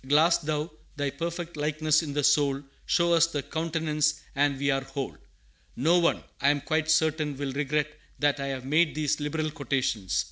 Glass Thou Thy perfect likeness in the soul, Show us Thy countenance, and we are whole!" No one, I am quite certain, will regret that I have made these liberal quotations.